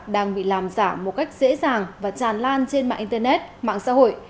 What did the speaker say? đang bị làm giả một cách dễ dàng và tràn lan trên mạng internet mạng xã hội